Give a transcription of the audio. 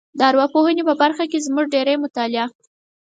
د ارواپوهنې په برخه کې زموږ ډېری مطالعه